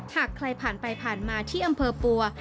หากใครผ่านไปผ่านมาที่อำเภอปัว